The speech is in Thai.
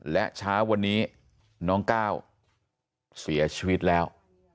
และเช้าวันนี้น้องก้าวเสียชีวิตแล้ว